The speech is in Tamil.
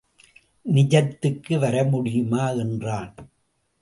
நிஜத்துக்கு வரமுடியுமா? என்றான்.